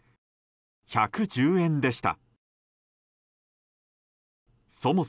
１１０円でした。